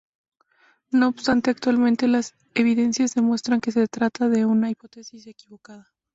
No obstante, actualmente las evidencias demuestran que se trata de una hipótesis equivocada.